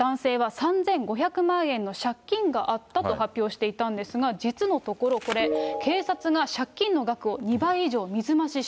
警察は賭博などにより、男性は３５００万円の借金があったと発表していたんですが、実のところこれ、警察が借金の額を２倍以上水